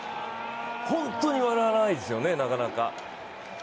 本当に笑わないですよね、なかなか。